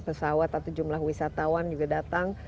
pesawat atau jumlah wisatawan juga datang